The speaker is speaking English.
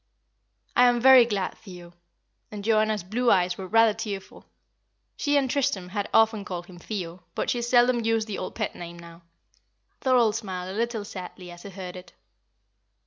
"I am very glad, Theo;" and Joanna's blue eyes were rather tearful. She and Tristram had often called him Theo, but she seldom used the old pet name now. Thorold smiled a little sadly as he heard it.